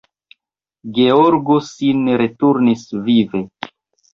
Georgo sin returnis vive.